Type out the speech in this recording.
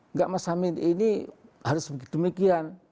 enggak mas amin ini harus demikian